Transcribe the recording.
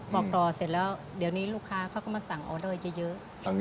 บอกต่อเสร็จแล้วเดี๋ยวนี้ลูกค้าเขาก็มาสั่งออเดอร์เยอะ